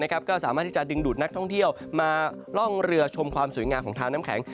ก็สามารถที่จะดึงดูดนักท่องเที่ยวมาล่องเรือชมความสวยงามของทางน้ำแข็ง